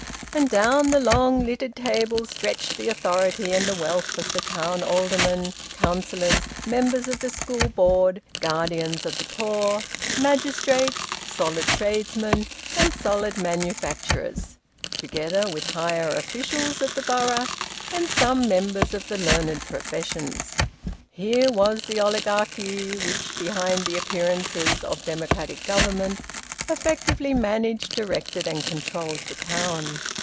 And down the long littered tables stretched the authority and the wealth of the town aldermen, councillors, members of the school board, guardians of the poor, magistrates, solid tradesmen, and solid manufacturers, together with higher officials of the borough and some members of the learned professions. Here was the oligarchy which, behind the appearances of democratic government, effectively managed, directed, and controlled the town.